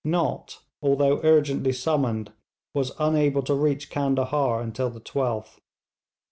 Nott, although urgently summoned, was unable to reach Candahar until the 12th.